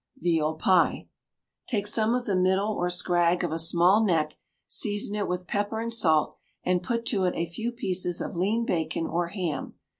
Veal Pie. Take some of the middle or scrag of a small neck; season it with pepper and salt, and, put to it a few pieces of lean bacon or ham.